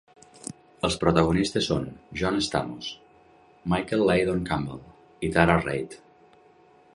Els protagonistes són John Stamos, Michael Leydon Campbell i Tara Reid.